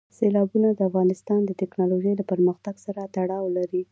سیلابونه د افغانستان د تکنالوژۍ له پرمختګ سره تړاو لري.